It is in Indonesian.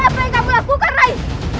rai apa yang kamu lakukan rai